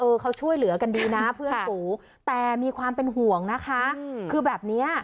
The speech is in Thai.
เขาช่วยเหลือกันดีนะเพื่อนฝูแต่มีความเป็นห่วงนะคะคือแบบเนี้ย